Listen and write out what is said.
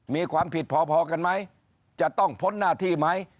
มีความผิดพอกันไหมจะต้องพ้นหน้าที่ไหม